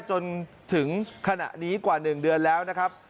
จนถึงขณะนี้กว่า๑เดือนแล้วนะครับ